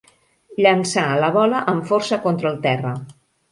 Llançà la bola amb força contra el terra.